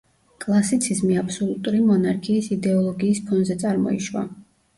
კლასიციზმი აბსოლუტური მონარქიის იდეოლოგიის ფონზე წარმოიშვა.